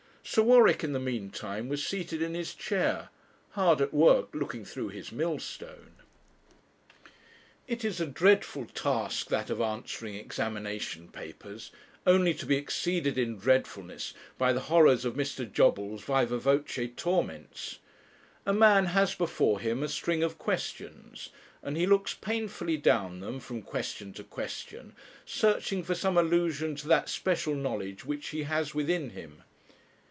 Sir Warwick, in the meantime, was seated in his chair, hard at work looking through his millstone. It is a dreadful task that of answering examination papers only to be exceeded in dreadfulness by the horrors of Mr. Jobbles' viva voce torments. A man has before him a string of questions, and he looks painfully down them, from question to question, searching for some allusion to that special knowledge which he has within him.